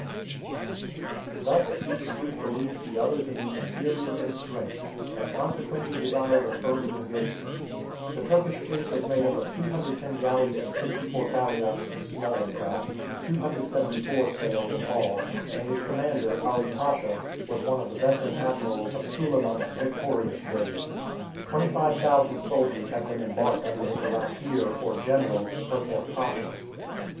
Thus each fleet believed the other to be inferior in strength, and consequently desired an early engagement. The Turkish fleet was made up of 210 galleys and 64 galliots and smaller craft, 274 sail in all, and its commander, Ali Pasha, was one of the veteran admirals of Suleiman's victorious days; 25,000 soldiers had been embarked under the Seraskier, or General, Pertev Pasha.